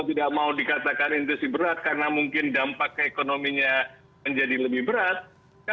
tidak tahu ya pak alex